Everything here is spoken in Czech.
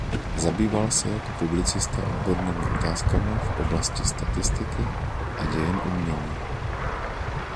Zabýval se jako publicista odbornými otázkami v oblasti statistiky a dějin umění.